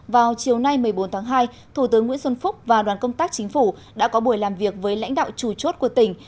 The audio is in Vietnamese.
vào chiều nay một mươi bốn tháng hai thủ tướng nguyễn xuân phúc và đoàn công tác chính phủ đã có buổi làm việc với lãnh đạo chủ chốt của tỉnh